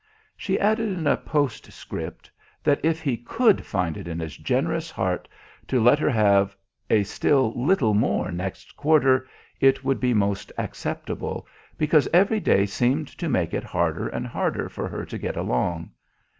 She added in a post script that if he could find it in his generous heart to let her have a still little more next quarter it would be most acceptable, because every day seemed to make it harder and harder for her to get along.